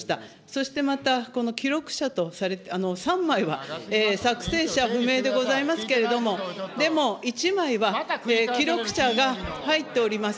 そしてまた、この記録者と、３枚は作成者不明でございますけれども、でも１枚は記録者が入っております。